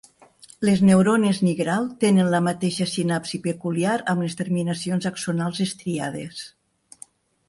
Les neurones nigral tenen la mateixa sinapsi peculiar amb les terminacions axonals estriades.